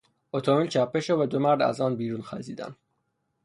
اتومبیل چپه شد و دو مرد از آن بیرون خزیدند.